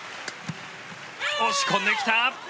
押し込んできた。